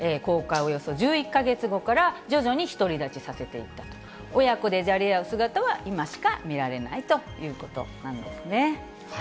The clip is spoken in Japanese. およそ１１か月後から徐々に独り立ちさせていったと、親子でじゃれ合う姿は、今しか見られないということなんですね。